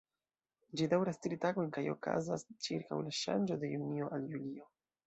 Ĝi daŭras tri tagojn kaj okazas ĉirkaŭ la ŝanĝo de junio al julio.